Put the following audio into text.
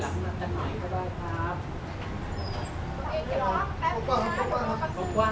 รับรับมาก่อนหน่อยไปบ้างครับ